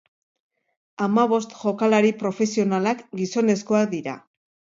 Hamabost jokalari profesionalak gizonezkoak dira.